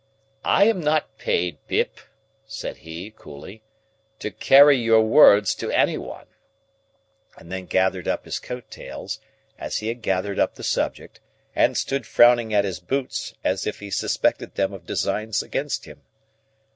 "I am not paid, Pip," said he, coolly, "to carry your words to any one;" and then gathered up his coat tails, as he had gathered up the subject, and stood frowning at his boots as if he suspected them of designs against him.